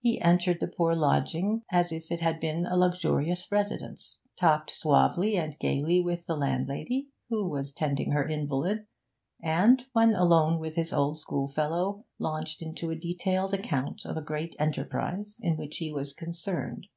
He entered the poor lodging as if it had been a luxurious residence, talked suavely and gaily with the landlady, who was tending her invalid, and, when alone with his old schoolfellow, launched into a detailed account of a great enterprise in which he was concerned.